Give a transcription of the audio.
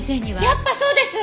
やっぱそうです！